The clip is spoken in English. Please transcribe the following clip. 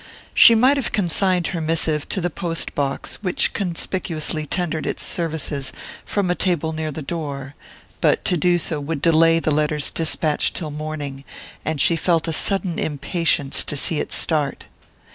She might have consigned her missive to the post box which conspicuously tendered its services from a table near the door; but to do so would delay the letter's despatch till morning, and she felt a sudden impatience to see it start.